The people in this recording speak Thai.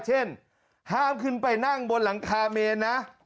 เช่นห้ามขึ้นไปนั่งบนหลังคาเมนนะ